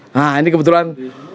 nah ini kebetulan